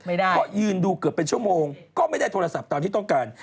เพราะยืนดูเกือบเป็นชั่วโมงก็ไม่ได้โทรศัพท์ตามที่ต้องการ